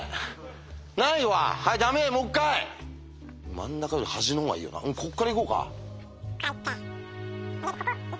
真ん中より端の方がいいよなこっから行こうか。